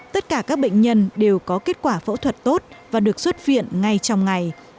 tất cả các bệnh nhân đều có kết quả phẫu thuật tốt và được xuất viện ngay trong ngày